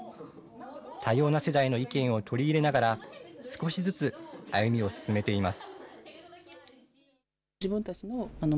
多様な世代の意見を取り入れながら、少しずつ歩みを進めています。